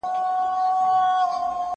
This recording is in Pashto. او طوطي ته یې دوکان وو ورسپارلی